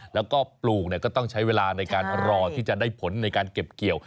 แล้วก็ปลูกก็ต้องใช้เวลาในการรอที่จะได้ผลในการเก็บเกี่ยว